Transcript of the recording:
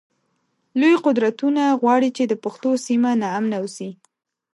لوی قدرتونه غواړی چی د پښتنو سیمه ناامنه اوسی